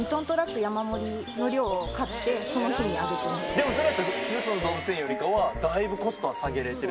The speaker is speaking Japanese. でもそれやったらよその動物園よりかはだいぶコストは下げれてる。